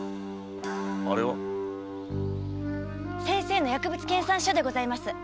先生の薬物研鑽所でございます。